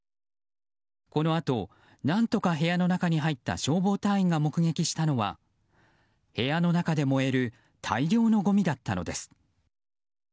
このあと、何とか部屋の中に入った消防隊員が目撃したのは、部屋の中で燃える大量のごみだったのです。